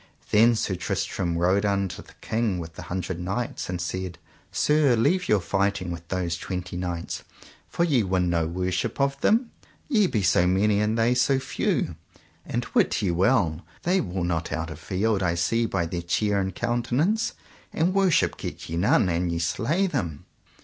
Then Sir Tristram rode unto the King with the Hundred Knights and said: Sir, leave your fighting with those twenty knights, for ye win no worship of them, ye be so many and they so few; and wit ye well they will not out of the field I see by their cheer and countenance; and worship get ye none an ye slay them.